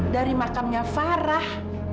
dari makamnya farah